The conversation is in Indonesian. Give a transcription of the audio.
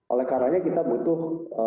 oleh karanya kita butuh